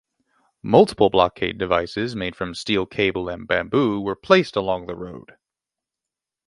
Multiple blockade devices made from steel cable and bamboo were placed along the road.